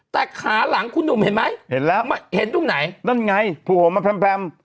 แต่ขาหลังคุณหนุ่มเห็นไหมเห็นแล้วเห็นตรงไหนนั่นไงโผล่มาแพร่ม